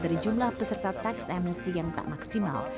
dari jumlah peserta tax amnesty yang tak maksimal